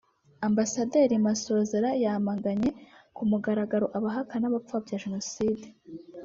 Ambasaderi Masozera yamaganye ku mugaragaro abahakana n’abapfobya Jenoside